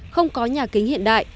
không có nhà kính hiện đại